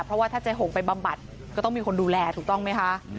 เพราะว่าถ้าเจ๊หงไปบำบัดก็ต้องมีคนดูแลถูกต้องไหมคะ